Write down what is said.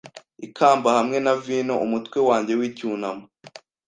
Ikamba hamwe na vino umutwe wanjye wicyunamo